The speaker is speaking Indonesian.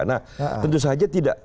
nah tentu saja tidak